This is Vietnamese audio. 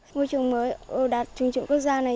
ngôi trường mới ở đạt trường chuẩn quốc gia này